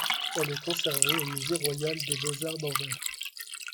Elle est conservée au Musée royal des Beaux-arts d'Anvers.